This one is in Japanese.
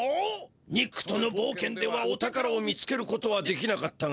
ニックとのぼうけんではお宝を見つけることはできなかったが。